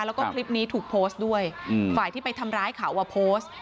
แล้วก็คลิปนี้ถูกโพสต์ด้วยฝ่ายที่ไปทำร้ายเขาอ่ะโพสต์